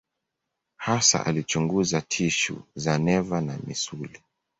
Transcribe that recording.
Hasa alichunguza tishu za neva na misuli.